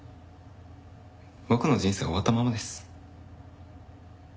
僕の人生は終わったままです。